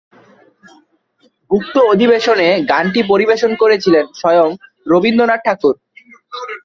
উক্ত অধিবেশনে গানটি পরিবেশন করেছিলেন স্বয়ং রবীন্দ্রনাথ ঠাকুর।